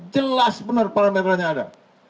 jelas benar parameternya ada